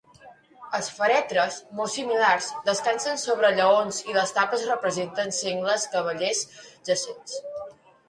Els fèretres, molt similars, descansen sobre lleons i les tapes representen sengles cavallers jacents.